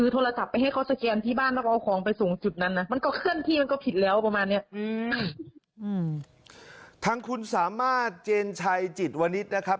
ทางคุณสามารถเจนชัยจิตวนิษฐ์นะครับ